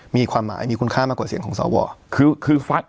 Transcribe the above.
มีความหมายมีคุณค่ามากกว่าเสียงของสวคือฟัก